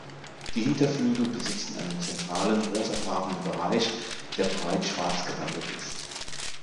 Die Hinterflügel besitzen einen zentralen rosafarbenen Bereich, der breit schwarz gerandet ist.